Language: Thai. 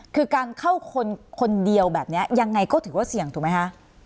คือการเข้าคนคนเดียวแบบนี้ยังไงก็ถือว่าเสี่ยงถูกไหมคะ